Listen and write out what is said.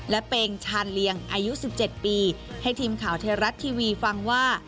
และเป็งชาญเลียงอายุ๑๗ปีให้ทีมข่าวไทยรัฐทีวีฟังว่า